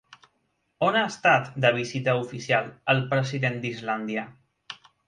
On ha estat de visita oficial el president d'Islàndia?